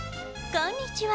こんにちは。